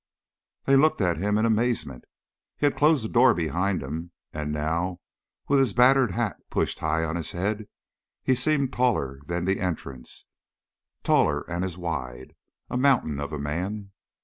They looked at him in amazement. He had closed the door behind him, and now, with his battered hat pushed high on his head, he seemed taller than the entrance taller and as wide, a mountain of a man.